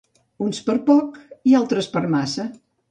Uns per poc i altres per massa.